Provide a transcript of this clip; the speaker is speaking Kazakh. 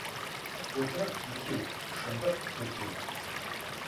Өтірік — екеу, шындық — төртеу.